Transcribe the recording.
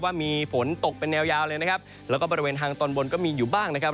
ว่ามีฝนตกเป็นแนวยาวเลยนะครับแล้วก็บริเวณทางตอนบนก็มีอยู่บ้างนะครับ